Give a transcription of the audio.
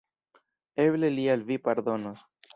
Eble li al vi pardonos.